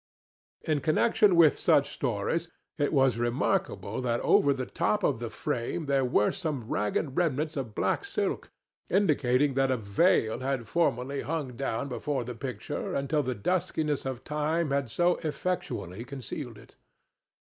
In connection with such stories, it was remarkable that over the top of the frame there were some ragged remnants of black silk, indicating that a veil had formerly hung down before the picture until the duskiness of time had so effectually concealed it.